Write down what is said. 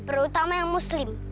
terutama yang muslim